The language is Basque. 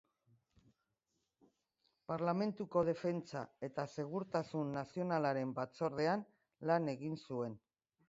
Parlamentuko Defentsa eta Segurtasun Nazionalaren Batzordean lan egin zuen.